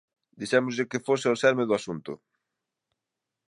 Dixémoslle que fose ao celme do asunto.